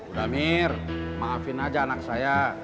udah mir maafin aja anak saya